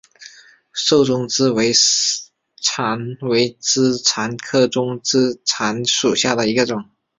瘦中肢水蚤为异肢水蚤科中肢水蚤属下的一个种。